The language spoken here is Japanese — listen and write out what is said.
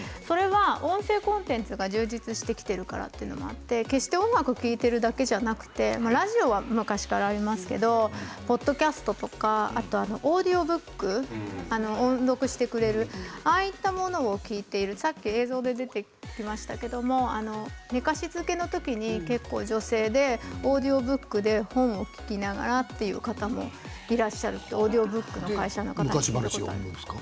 音声コンテンツが充実してきているということもあって決して音楽聴いてるだけではなくてラジオは昔からありますけどポッドキャストとかオーディオブック音読してくれるああいったものを聴いてさっき映像で出てきましたけど寝かしつけの時に結構、女性でオーディオブックで本を聴きながらという方もいらっしゃるとオーディオブックの会社の方が言ってました。